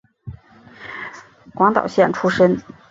广岛县出身。